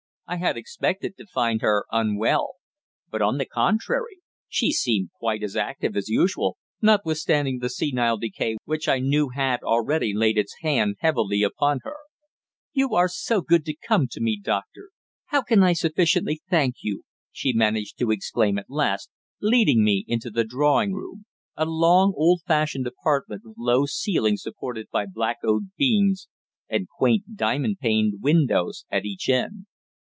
I had expected to find her unwell; but, on the contrary, she seemed quite as active as usual, notwithstanding the senile decay which I knew had already laid its hand heavily upon her. "You are so good to come to me, Doctor. How can I sufficiently thank you?" she managed to exclaim at last, leading me into the drawing room, a long old fashioned apartment with low ceiling supported by black oak beams, and quaint diamond paned windows at each end.